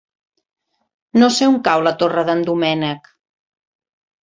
No sé on cau la Torre d'en Doménec.